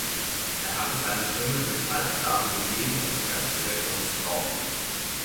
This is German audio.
Er hatte seine Stimme dem Pfalzgrafen gegeben und sich als Direktor missbrauchen lassen.